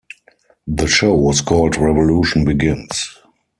The show was called "Revolution begins".